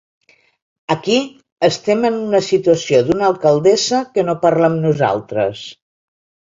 Aquí estem en una situació d’una alcaldessa que no parla amb nosaltres.